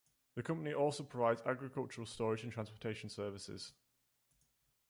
The company also provides agricultural storage and transportation services.